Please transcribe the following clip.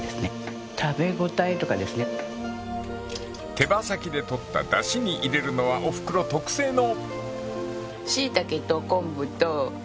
［手羽先で取っただしに入れるのはおふくろ特製の］